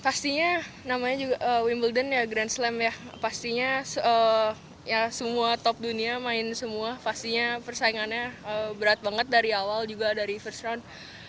pastinya wimbledon grand slam semua top dunia main semua persaingannya berat banget dari awal dari first round